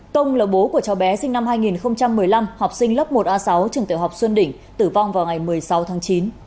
tông là bố của cháu bé sinh năm hai nghìn một mươi năm học sinh lớp một a sáu trường tiểu học xuân đỉnh tử vong vào ngày một mươi sáu tháng chín